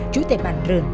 chú tại bản rửn